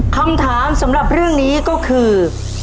คำถามสำหรับเรื่องนี้ก็คือ